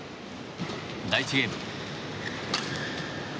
第１ゲーム。